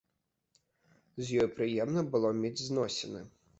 З ёй прыемна было мець зносіны.